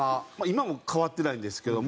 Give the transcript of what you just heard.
今も変わってないんですけど